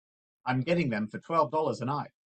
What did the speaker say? I'm getting them for twelve dollars a night.